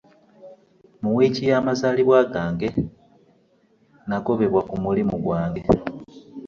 Mu wiiki ya mazalibwa gandge nagobebwa ku mulimu gwange.